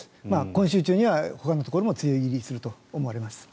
今週中にはほかのところも梅雨入りするとみられます。